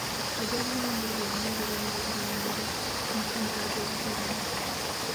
Eby'obuwangwa byonna birina okumanyibwa ku mutendera gw'eggwanga.